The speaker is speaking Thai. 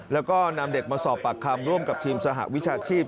แล้วก็นำเด็กมาสอบปากคำร่วมกับทีมสหวิชาชีพ